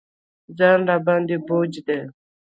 ځان راباندې بوج دی.